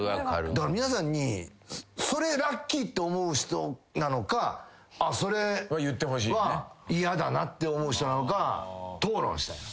だから皆さんにそれラッキーって思う人なのかそれは嫌だなって思う人なのか討論したい。